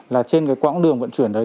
là trên cái quãng đường vận chuyển đấy